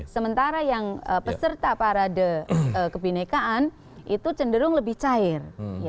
sementara yang peserta para kebhinnekaan itu cenderung lebih cair